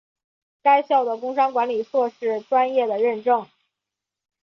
该校的工商管理硕士专业的认证。